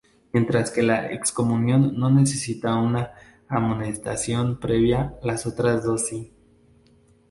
Mientras que la excomunión no necesita una amonestación previa, las otras dos sí.